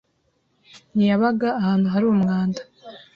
Ntiyabaga ahantu hari umwanda.